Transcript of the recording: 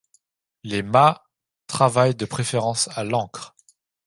Les Ma travaillent de préférence à l'encre.